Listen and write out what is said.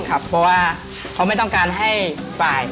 เพราะว่าเขาไม่ต้องการให้ฝ่าย